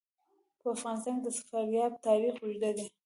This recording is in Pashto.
په افغانستان کې د فاریاب تاریخ اوږد دی.